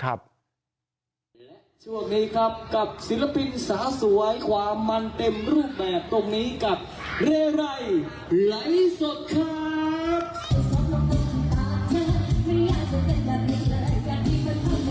ไอ้สองคนไอ้ขอบคุณมาก